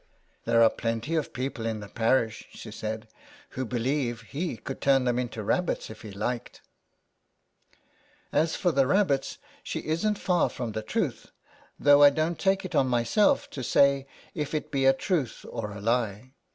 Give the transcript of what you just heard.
* There are plenty of people in the parish,' she said, 'who believe he could turn them into rabbits if he liked.' 72 SOME PARISHIONERS. As for the rabbits she isn't far from the truth, though I don't take it on myself to say if it be a truth or a lie.